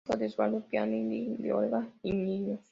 Hijo de Osvaldo Giannini Piza y de Olga Iñiguez.